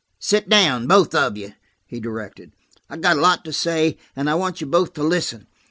"Sit down, both of you," he directed. "I've got a lot to say, and I want you both to listen.